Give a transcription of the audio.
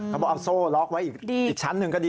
เขาบอกเอาโซ่ล็อกไว้อีกชั้นหนึ่งก็ดี